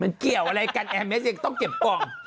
มันเกี่ยวอะไรกันแอร์เมสยังต้องเก็บกล่อง